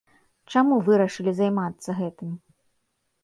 Чаму вырашылі займацца гэтым?